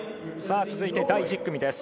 続いて第１０組。